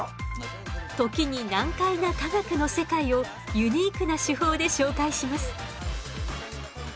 時に難解な科学の世界をユニークな手法で紹介します。